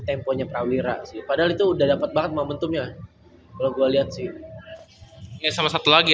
temponya prawira sih padahal itu udah dapat banget momentum ya kalau gua lihat sih sama satu lagi